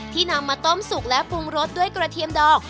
นำมาต้มสุกและปรุงรสด้วยกระเทียมดอง